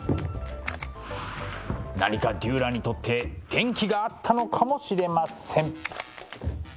何かデューラーにとって転機があったのかもしれません。